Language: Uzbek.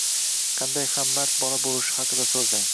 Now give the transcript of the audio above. qanday ham mard bola bo‘lishi haqida so‘zlang.